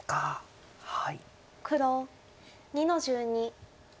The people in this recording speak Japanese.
黒２の十二。